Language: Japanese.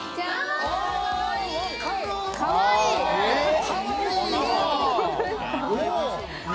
かわいいな。